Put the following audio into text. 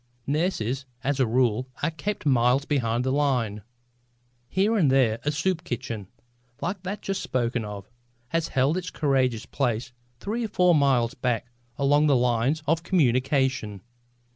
Nurses as a rule are kept miles behind the line. Here and there a soup kitchen, like that just spoken of, has held its courageous place three or four miles back along the lines of communication.